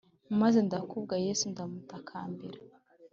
Maze ndabukwa yesu ndamutakambira